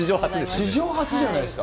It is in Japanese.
史上初じゃないですか。